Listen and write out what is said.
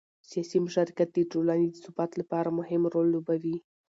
سیاسي مشارکت د ټولنې د ثبات لپاره مهم رول لوبوي